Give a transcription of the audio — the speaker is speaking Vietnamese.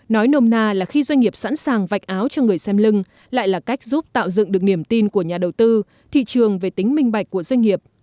nói nôm na là khi doanh nghiệp sẵn sàng vạch áo cho người xem lưng lại là cách giúp tạo dựng được niềm tin của nhà đầu tư thị trường về tính minh bạch của doanh nghiệp